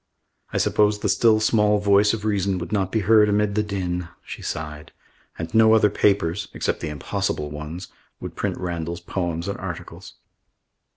"I suppose the still small voice of reason would not be heard amid the din," she sighed. "And no other papers except the impossible ones would print Randall's poems and articles."